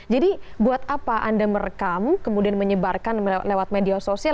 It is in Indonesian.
jadi buat apa anda merekam kemudian menyebarkan lewat media sosial